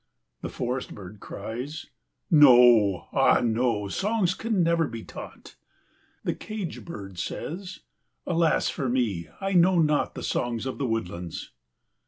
The forest bird cries, "No, ah no! songs can never be taught." The cage bird says, "Alas for me, I know not the songs of the woodlands."